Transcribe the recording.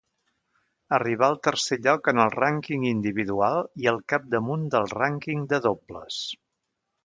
Arribà al tercer lloc en el rànquing individual i al capdamunt del rànquing de dobles.